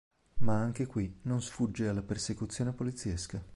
Ma anche qui non sfugge alla persecuzione poliziesca.